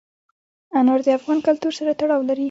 انار د افغان کلتور سره تړاو لري.